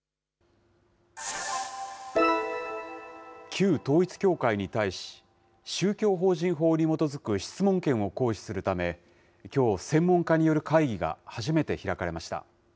旧統一教会に対し、宗教法人法に基づく質問権を行使するため、きょう、専門家による会議が初めて開かれました。